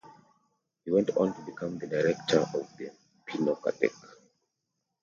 He went on to become the director of the Pinokathek.